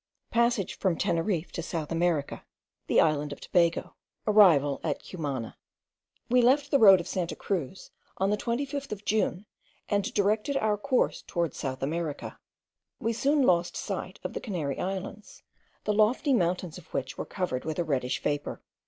3. PASSAGE FROM TENERIFE TO SOUTH AMERICA. THE ISLAND OF TOBAGO. ARRIVAL AT CUMANA. We left the road of Santa Cruz on the 25th of June, and directed our course towards South America. We soon lost sight of the Canary Islands, the lofty mountains of which were covered with a reddish vapour.